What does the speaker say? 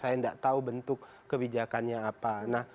saya tidak tahu bentuk kebijakannya apa